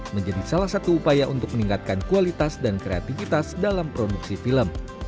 menjadi salah satu upaya untuk meningkatkan kualitas dan kreativitas dalam produksi film